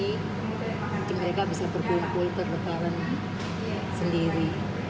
mungkin mereka bisa bergumpul perlebaran sendiri